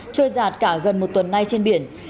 trôi giạt cả gần một tuần nay trên biển